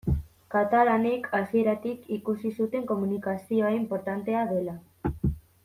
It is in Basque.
Katalanek hasieratik ikusi zuten komunikazioa inportantea dela.